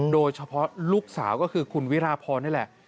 โดยเฉพาะลูกสาวก็คือคุณวิราพรนี่แหละ